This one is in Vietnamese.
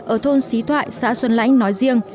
ở thôn xí thoại xã xuân lãnh nói riêng